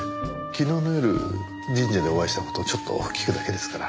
昨日の夜神社でお会いした事ちょっと聞くだけですから。